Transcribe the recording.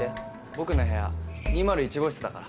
僕の部屋２０１号室だから。